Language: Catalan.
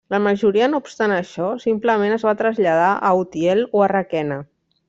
La majoria, no obstant això, simplement es van traslladar a Utiel o a Requena.